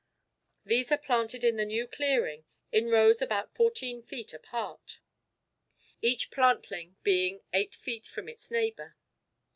These are planted in the new clearing in rows about fourteen feet apart, each plantling being eight feet from its neighbour.